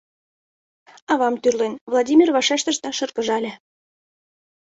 — Авам тӱрлен, — Владимир вашештыш да шыргыжале.